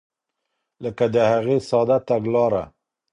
لکه د هغې ساده تګلاره.